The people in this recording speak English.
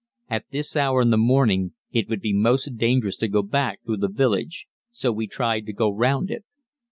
At this hour in the morning it would be most dangerous to go back through the village, so we tried to go round it.